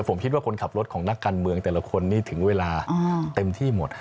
ผมคิดว่าคนขับรถของนักการเมืองแต่ละคนนี้ถึงเวลาเต็มที่หมด